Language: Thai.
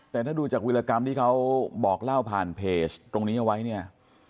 แต่ถ้าดูจากวิรากรรมที่เขาบอกเล่าผ่านเพจตรงนี้เอาไว้เนี่ย